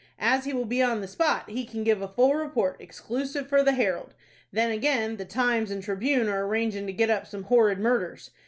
As he will be on the spot, he can give a full report, exclusive for the 'Herald'! Then again, the 'Times' and 'Tribune' are arrangin' to get up some 'horrid murders.'